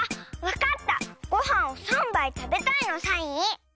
ごはんを３ばいたべたいのサイン！